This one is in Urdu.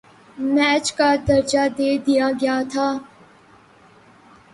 میچ کا درجہ دے دیا گیا تھا